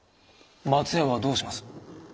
松屋はどうします？